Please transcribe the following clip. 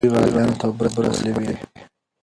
دوی غازیانو ته اوبه رسولې وې.